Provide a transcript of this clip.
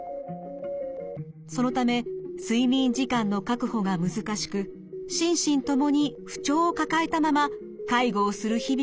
そのため睡眠時間の確保が難しく心身ともに不調を抱えたまま介護をする日々が続いています。